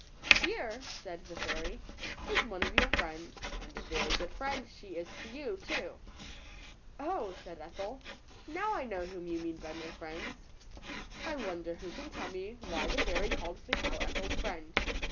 ^^Here," said the fairy, ^^is one of your ETHEL'S FRIENDS. 123 friends, and a very good friend she is to you, too/^ "Oh,'' said Ethel, "now I know whom you mean by my friends!" I wonder who can tell me why the fairy called the cow Ethel's friend.